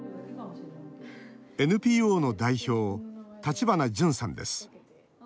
ＮＰＯの代表、橘ジュンさんです。